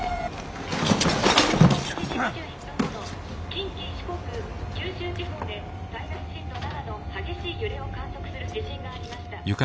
「近畿四国九州地方で最大震度７の激しい揺れを観測する地震がありました。